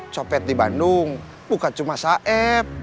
copet di bandung bukan cuma saeb